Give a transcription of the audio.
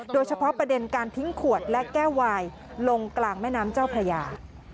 โดยเฉพาะประเด็นการทิ้งขวดและแก้ววายลงกลางแม่น้ำเจ้าพระยา